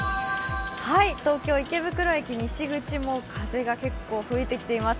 東京・池袋駅西口も風が結構吹いてきています。